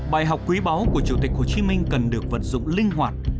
bài học quý báu của chủ tịch hồ chí minh cần được vận dụng linh hoạt